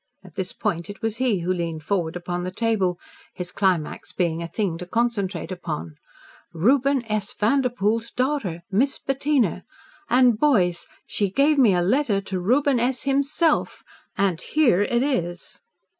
At this point, it was he who leaned forward upon the table his climax being a thing to concentrate upon. "Reuben S. Vanderpoel's daughter Miss Bettina! And, boys, she gave me a letter to Reuben S., himself, and here it is."